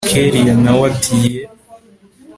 kellia nawe ati yeee